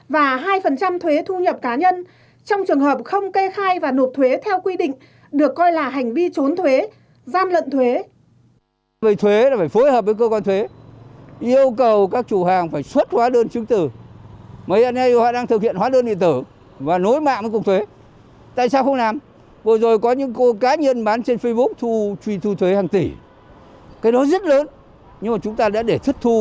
và hai thuế thu nhập cá nhân trong trường hợp không cây khai và nộp thuế theo quy định được coi là hành vi trốn thuế giam lận thuế